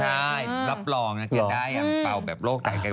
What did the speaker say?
ใช่รับรองนะเกิดได้ยังเป่าแบบโลกใกล้